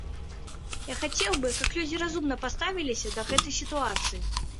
Я хацеў бы, каб людзі разумна паставіліся да гэтай сітуацыі.